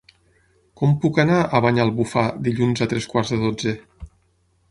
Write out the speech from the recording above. Com puc anar a Banyalbufar dilluns a tres quarts de dotze?